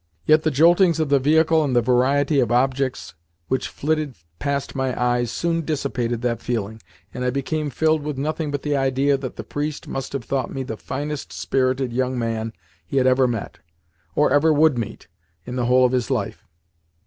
Yet the joltings of the vehicle and the variety of objects which flitted past my eyes soon dissipated that feeling, and I became filled with nothing but the idea that the priest must have thought me the finest spirited young man he had ever met, or ever would meet, in the whole of his life.